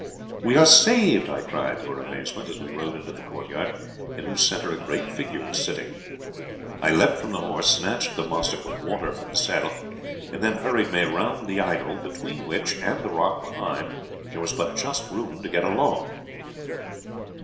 "'We are saved,' I cried, to her amazement, as we rode into the courtyard, in whose center a great figure was sitting. "I leapt from the horse, snatched the mussuk of water from the saddle, and then hurried May round the idol, between which and the rock behind there was but just room to get along.